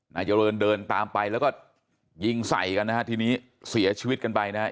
นายเจริญเดินตามไปแล้วก็ยิงใส่กันนะฮะทีนี้เสียชีวิตกันไปนะฮะ